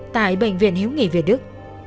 tại bệnh viện hiếu nghỉ việt đức